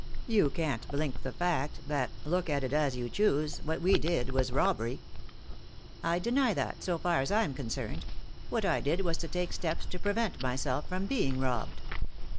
You can't blink the feet that, look at it as you choose, what we did was robbery." " I deny that, so tar as I'm concerned. What I did was to take steps to prevent myself from being robbed."